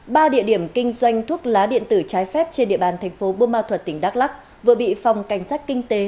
ba địa điểm kinh doanh thuốc lá điện tử trái phép trên địa bàn tp bơ ma thuật tỉnh đắk lắc vừa bị phòng cảnh sát kinh tế